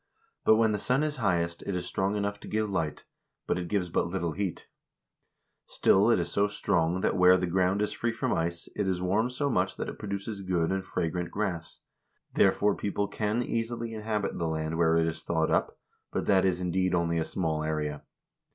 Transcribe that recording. But when the sun is highest, it is strong enough to give light, but it gives but little heat ; still it is so strong that where the ground is free from ice, it is warmed so much that it produces good and fragrant grass, therefore people can easily inhabit the land where it is thawed up, but that is indeed only a small area."